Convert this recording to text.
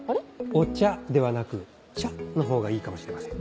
「お茶」ではなく「茶」の方がいいかもしれません。